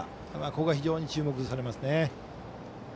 ここが非常に注目されますね。